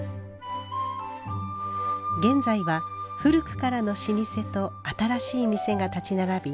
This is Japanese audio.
現在は古くからの老舗と新しい店が立ち並び